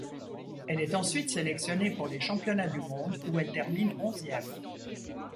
Elle est ensuite sélectionnée pour les Championnats du monde où elle termine onzième.